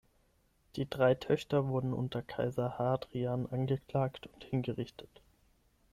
Die drei Töchter wurden unter Kaiser Hadrian angeklagt und hingerichtet.